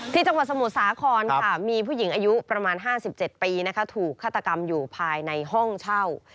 จังหวัดสมุทรสาครค่ะมีผู้หญิงอายุประมาณ๕๗ปีนะคะถูกฆาตกรรมอยู่ภายในห้องเช่า